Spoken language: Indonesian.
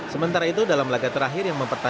sementara itu dalam laga terakhir yang mempertanyakan